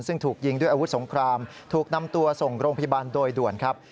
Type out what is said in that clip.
ซึ่งถูกยิงด้วยอาวุธสงครามถูกนำตัวส่งโรงพยาบาลโดยด่วนครับ